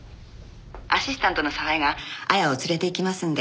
「アシスタントの沢井が亜矢を連れて行きますんで」